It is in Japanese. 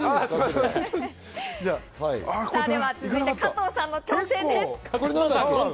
続いて加藤さんの挑戦です。